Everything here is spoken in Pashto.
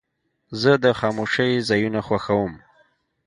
زه د خاموشۍ ځایونه خوښوم.